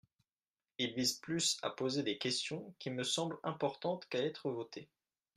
Il vise plus à poser des questions, qui me semblent importantes, qu’à être voté.